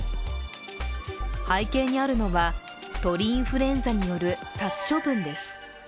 背景にあるのは、鳥インフルエンザによる殺処分です。